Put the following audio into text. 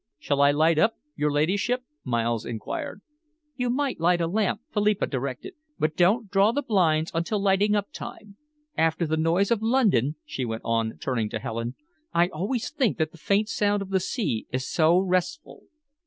"Shall I light up, your ladyship?" Mills enquired. "You might light a lamp," Philippa directed, "but don't draw the blinds until lighting up time. After the noise of London," she went on, turning to Helen, "I always think that the faint sound of the sea is so restful."